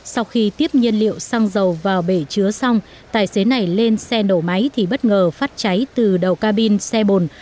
sau khi tiếp nhiên liệu xăng dầu vào bể chứa xong tài xế này lên xe nổ máy thì bất ngờ phát cháy từ đầu cabin xe bồn